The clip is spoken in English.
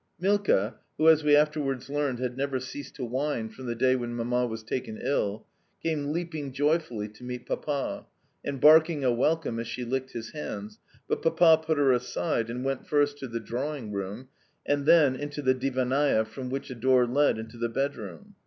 Milka (who, as we afterwards learned, had never ceased to whine from the day when Mamma was taken ill) came leaping, joyfully to meet Papa, and barking a welcome as she licked his hands, but Papa put her aside, and went first to the drawing room, and then into the divannaia, from which a door led into the bedroom.